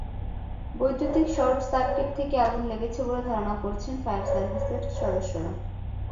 বৈদ্যুতিক শর্টসার্কিট থেকে আগুন লেগেছে বলে ধারণা করছেন ফায়ার সার্ভিসের সদস্যরা।